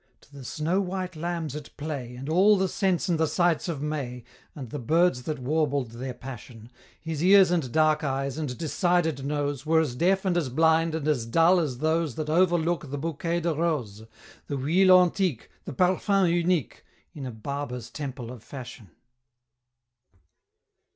to the snow white lambs at play, And all the scents and the sights of May, And the birds that warbled their passion, His ears and dark eyes, and decided nose, Were as deaf and as blind and as dull as those That overlook the Bouquet de Rose, The Huile Antique, The Parfum Unique, In a Barber's Temple of Fashion.